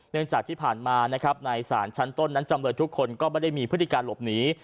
จากที่ผ่านมานะครับในศาลชั้นต้นนั้นจำเลยทุกคนก็ไม่ได้มีพฤติการหลบหนี